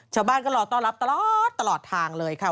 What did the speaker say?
ชาวบ้านก็รอต้อนรับตลอดตลอดทางเลยค่ะ